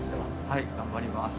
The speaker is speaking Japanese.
はい頑張ります。